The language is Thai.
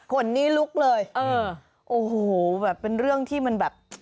คนนี้ลุกเลยเออโอ้โหแบบเป็นเรื่องที่มันแบบ